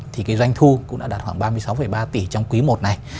thì doanh thu cũng đã đạt khoảng ba mươi sáu ba tỷ trong quý một này